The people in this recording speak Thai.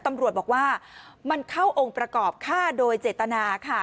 ตำรวจบอกว่ามันเข้าองค์ประกอบฆ่าโดยเจตนาค่ะ